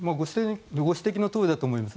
ご指摘のとおりだと思います。